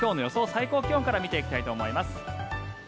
最高気温から見ていきたいと思います。